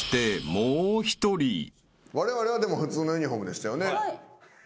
われわれはでも普通のユニホームでしたよね。